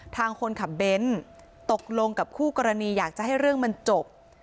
ทางคนขับเบ้นตกลงกับคู่กรณีอยากจะให้เรื่องมันจบ